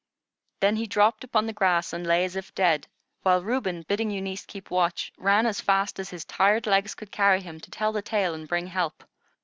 Then he dropped upon the grass and lay as if dead, while Reuben, bidding Eunice keep watch, ran as fast as his tired legs could carry him to tell the tale and bring help.